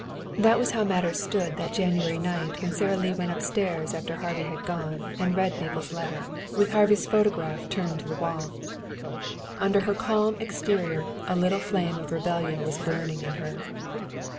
That was how matters stood that January night when Sara Lee went upstairs after Harvey had gone and read Mabel's letter, with Harvey's photograph turned to the wall. Under her calm exterior a little flame of rebellion was burning in her.